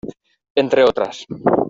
Entre otras,